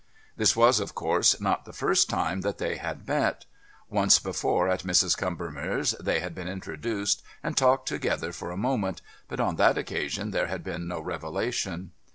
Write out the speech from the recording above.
This was, of course, not the first time that they had met. Once before at Mrs. Combermere's they had been introduced and talked together for a moment; but on that occasion there had been no revelation.